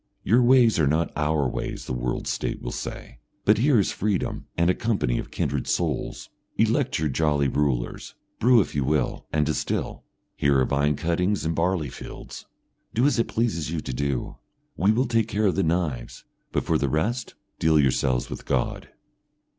"Your ways are not our ways," the World State will say; "but here is freedom and a company of kindred souls. Elect your jolly rulers, brew if you will, and distil; here are vine cuttings and barley fields; do as it pleases you to do. We will take care of the knives, but for the rest deal yourselves with God!"